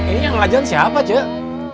ini yang azan siapa cuk